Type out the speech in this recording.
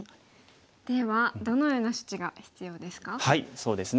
ではどのような処置が必要ですか？